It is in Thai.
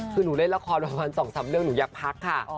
คือหนูเล่นละครประมาณ๒๓เรื่องหนูอยากพักค่ะ